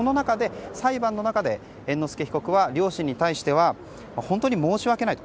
裁判の中で、猿之助被告は両親に対しては本当に申し訳ないと。